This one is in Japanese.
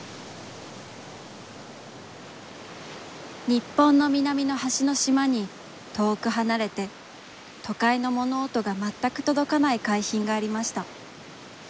日本の南のはしの島に、遠くはなれて、都会の物音がまったくとどかない海浜がありました。